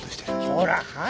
ほらはよ！